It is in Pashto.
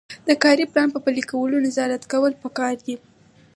د کاري پلان په پلي کولو نظارت کول پکار دي.